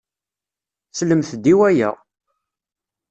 Slemt-d i waya!